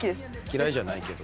嫌いじゃないけど。